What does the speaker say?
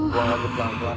buang lagu pelan pelan